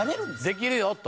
できるよと。